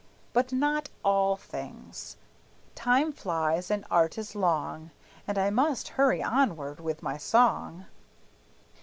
But not all things; time flies, and art is long, And I must hurry onward with my song.)